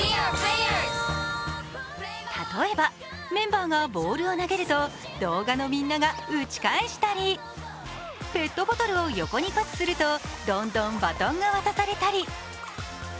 例えば、メンバーがボールを投げると動画のみんなが打ち返したりペットボトルを横にパスするとどんどんバトンが渡されたり。